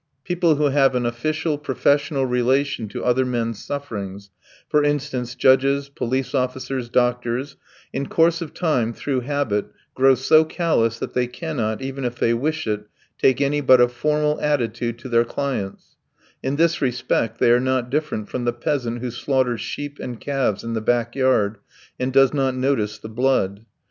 People who have an official, professional relation to other men's sufferings for instance, judges, police officers, doctors in course of time, through habit, grow so callous that they cannot, even if they wish it, take any but a formal attitude to their clients; in this respect they are not different from the peasant who slaughters sheep and calves in the back yard, and does not notice the blood.